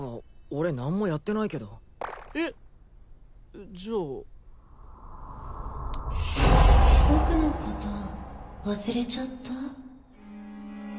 俺何もやってないけどえっじゃあ僕のこと忘れちゃった？